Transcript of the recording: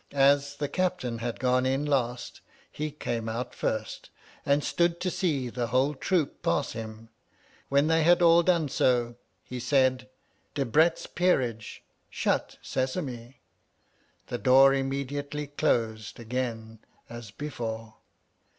As the captain had gone in last, he came out first, and stood to see the whole troop pass him. When they had all done so, he said, Debrett's Peerage. Shut Sesame ! The door immediately closed again as before.